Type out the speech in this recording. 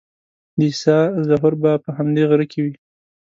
د عیسی ظهور به په همدې غره کې وي.